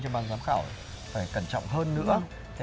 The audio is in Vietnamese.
trong ban giám khảo phải cẩn trọng hơn nữa